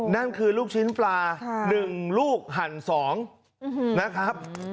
นั่นคือลูกชิ้นปลา๑ลูกหั่น๒นะครับ